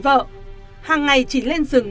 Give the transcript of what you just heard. vợ hàng ngày chỉ lên rừng